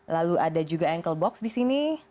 lalu ada juga ankle box di sini